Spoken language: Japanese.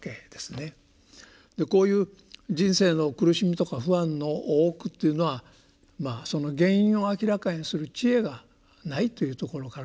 こういう人生の苦しみとか不安の多くっていうのはその原因を明らかにする智慧がないというところから生まれていると。